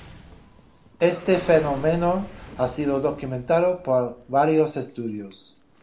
Este fenómeno ha sido documentado por varios estudios.